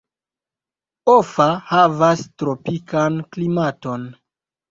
Offa havas tropikan klimaton.